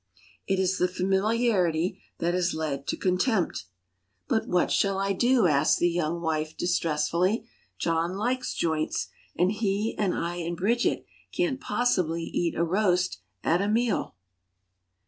It is the familiarity that has led to contempt. "But what shall I do?" asks the young wife distressfully; "John likes joints, and he and I and Bridget can't possibly eat a roast at a meal."